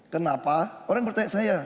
kenapa orang bertanya saya